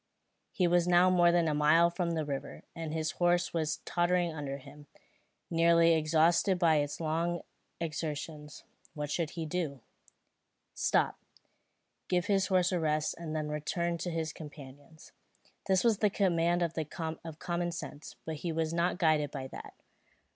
He was now more than a mile from the river, and his horse was tottering under him, nearly exhausted by its long exertions. What should he do? Stop, give his horse a rest, and then return to his companions. This was the command of common sense; but he was not guided by that.